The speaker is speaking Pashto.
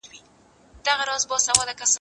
ماما مه پوښته، خورجين ئې پوښته.